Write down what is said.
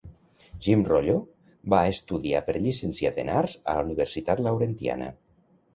Jim Rollo va estudiar per llicenciat en arts a la Universitat Laurentiana.